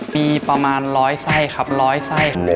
มีประมาณ๑๐๐ไส้ครับร้อยไส้